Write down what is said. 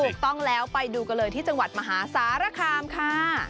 ถูกต้องแล้วไปดูกันเลยที่จังหวัดมหาสารคามค่ะ